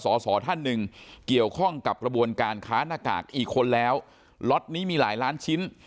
สอสอท่านหนึ่งเกี่ยวข้องกับกระบวนการค้าหน้ากากอีกคนแล้วล็อตนี้มีหลายล้านชิ้น